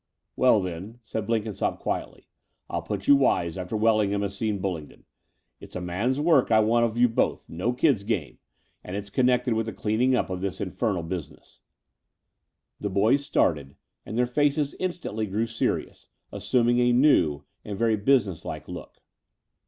"Well then," said Blenkinsopp quietly, "I'll put you wise after Wellingham has seen Bulling don. It's man's work I want of you both, no kid's game: and it's connected with the cleaning up of this infernal business." The boys started ; and their faces instantly grew serious, assuming a new and very businesslike look.